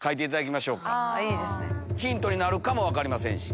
ヒントになるかも分かりませんし。